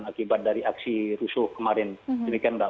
akibat dari aksi rusuh kemarin demikian mbak